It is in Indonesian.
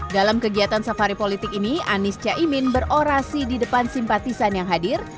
dalam kegiatan safari politik ini anies caimin berorasi di depan simpatisan yang hadir